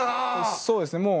そうですねもう。